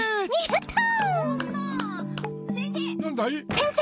先生！